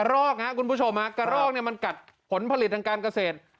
รอกครับคุณผู้ชมฮะกระรอกเนี่ยมันกัดผลผลิตทางการเกษตร